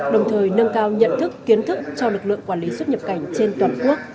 đồng thời nâng cao nhận thức kiến thức cho lực lượng quản lý xuất nhập cảnh trên toàn quốc